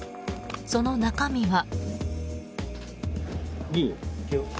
その中身は。